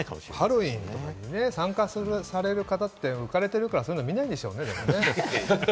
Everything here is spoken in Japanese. ハロウィーンに参加する方って浮かれてるから、なかなかそういうのも見ないんでしょうね。